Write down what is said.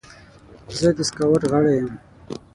زه د سکاوټ غړی یم.